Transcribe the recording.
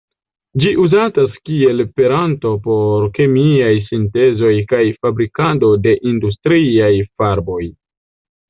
Ĝi uzatas kiel peranto por kemiaj sintezoj kaj fabrikado de industriaj farboj.